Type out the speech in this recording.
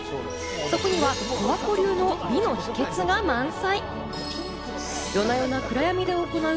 そこには十和子流の美の秘訣が満載。